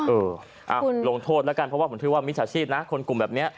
เออลงโทษแล้วกันเพราะว่าผมถือว่ามิจฉาชีพนะคนกลุ่มแบบนี้